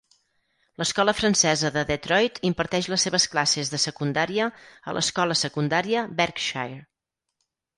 L'Escola francesa de Detroit imparteix les seves classes de secundària a l'Escola secundària Berkshire.